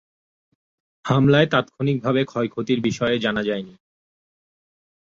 হামলায় তাৎক্ষণিকভাবে ক্ষয়ক্ষতির বিষয়ে জানা যায়নি।